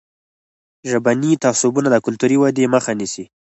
ژبني تعصبونه د کلتوري ودې مخه نیسي.